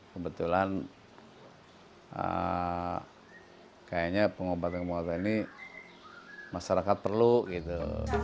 kebetulan kayaknya pengobatan pengobatan ini masyarakat perlu gitu